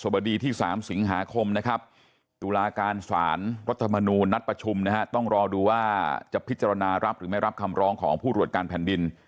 ว่าจะพิจารณารับหรือไม่รับคำล้องของผู้รวดการแผ่นบิน